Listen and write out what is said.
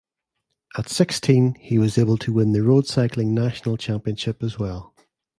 At sixteen he was able to win the road cycling national championship as well.